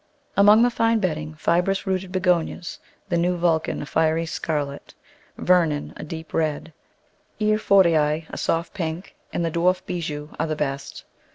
Among the fine bedding, fibrous rooted Begonias the new Vulcan, a fiery scarlet; Ver non, a deep red; Erfordii, a soft pink, and the dwarf Bijou are the best.